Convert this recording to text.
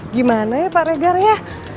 gimana ya pak regar ya